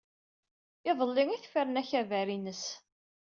Iḍelli i tefren akabar-ines.